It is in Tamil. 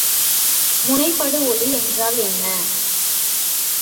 முனைப்படுஒளி என்றால் என்ன?